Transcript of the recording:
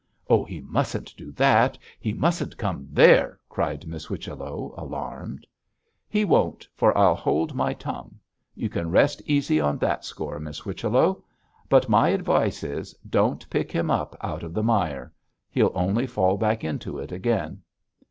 'Oh, he mustn't do that; he mustn't come there!' cried Miss Whichello, alarmed. 'He won't, for I'll hold my tongue. You can rest easy on that score, Miss Whichello. But my advice is, don't pick him up out of the mire; he'll only fall back into it again.'